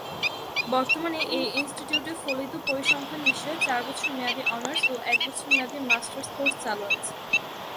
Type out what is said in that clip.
বর্তমানে এই ইনস্টিটিউটে ফলিত পরিসংখ্যান বিষয়ে চার বছর মেয়াদি অনার্স ও এক বছর মেয়াদি মাস্টার্স কোর্স চালু আছে।